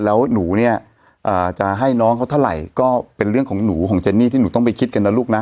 แล้วหนูเนี่ยจะให้น้องเขาเท่าไหร่ก็เป็นเรื่องของหนูของเจนนี่ที่หนูต้องไปคิดกันนะลูกนะ